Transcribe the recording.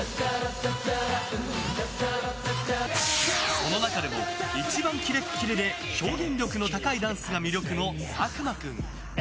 その中でも、一番キレッキレで表現力の高いダンスが魅力の佐久間君。